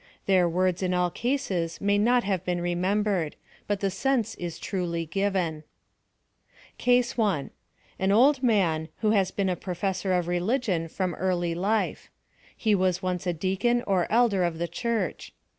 Their words in all cases may not have been remembered, but the sense is truly given. 248 PHILOSOPHY OF THE CASE 1. — An old man, who has been a professor of religion from early life. He was once a deacon or elder of the church.